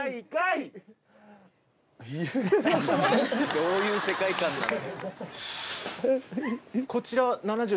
どういう世界観なんだよ。